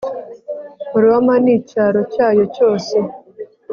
roma n'icyaro cyayo cyose